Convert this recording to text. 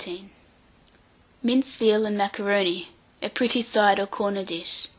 MINCED VEAL AND MACARONI. (A pretty side or corner dish.)